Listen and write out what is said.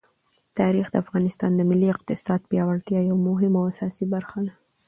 تاریخ د افغانستان د ملي اقتصاد د پیاوړتیا یوه مهمه او اساسي برخه ده.